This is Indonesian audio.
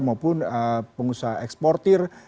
maupun pengusaha eksportir